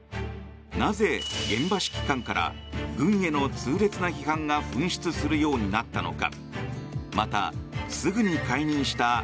なぜ、現場指揮官から軍への痛烈な批判が噴出するようになったのか。